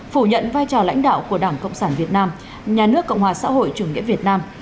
phủ nhận vai trò lãnh đạo của đảng cộng sản việt nam nhà nước cộng hòa xã hội chủ nghĩa việt nam